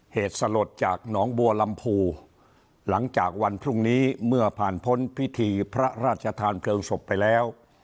เหตุสลดจากหนองบัวลำพูหลังจากวันพรุ่งนี้เมื่อผ่านพ้นพิธีพระราชทานเพลิงศพไปแล้ว